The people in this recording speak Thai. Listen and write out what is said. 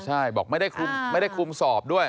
ใช่บอกไม่ได้คุมสอบด้วย